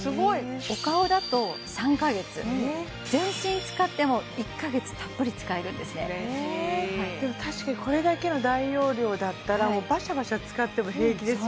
お顔だと３カ月全身使っても１カ月たっぷり使えるんですねでも確かにこれだけの大容量だったらもうバシャバシャ使っても平気ですよね